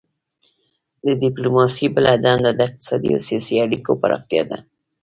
د ډیپلوماسي بله دنده د اقتصادي او سیاسي اړیکو پراختیا ده